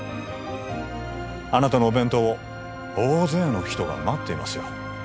あなたのお弁当を大勢の人が待っていますよ